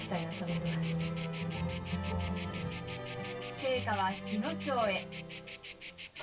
聖火は日野町へ。